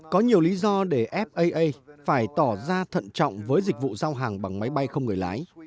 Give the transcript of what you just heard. có nhiều lý do để faa phải tỏ ra thận trọng với dịch vụ giao hàng bằng máy bay không người lái